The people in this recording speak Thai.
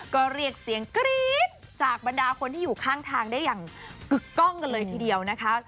ก็เรียกเสียงกรี๊ดจากบรรดาคนที่อยู่ข้างทางได้อย่างกึกกล้องกันเลยทีเดียวนะคะ